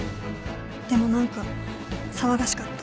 でも何か騒がしかった。